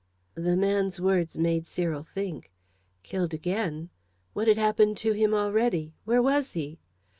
The man's words made Cyril think. Killed again? What had happened to him already? Where was he?